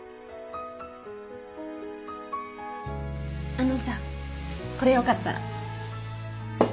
あのさこれよかったら。